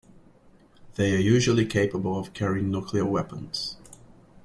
They are usually capable of carrying nuclear weapons.